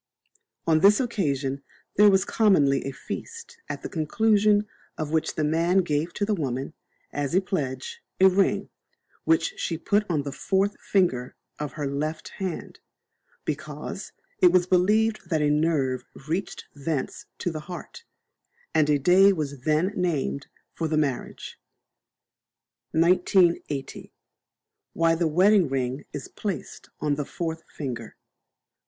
On this occasion there was commonly a feast, at the conclusion of which the man gave to the woman, as a pledge, a ring, which she put on the fourth finger of her left hand, because it was believed that a nerve reached thence to the heart, and a day was then named for the marriage. 1980. Why the Wedding Ring is placed on the Fourth Finger.